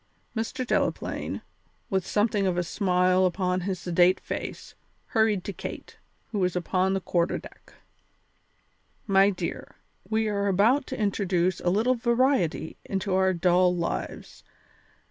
Mr. Delaplaine, with something of a smile upon his sedate face, hurried to Kate, who was upon the quarter deck. "My dear, we are about to introduce a little variety into our dull lives.